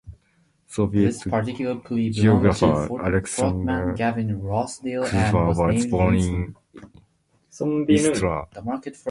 Soviet geographer Alexander Kruber was born in Istra.